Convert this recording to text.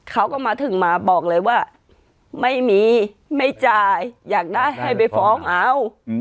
เขาก็มาถึงมาบอกเลยว่าไม่มีไม่จ่ายอยากได้ให้ไปฟ้องเอา